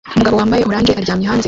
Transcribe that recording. Umugabo wambaye orange aryamye hanze